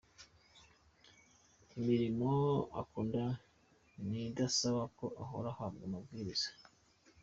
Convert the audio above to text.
Imirimo akunda ni idasaba ko ahora ahabwa amabwiriza.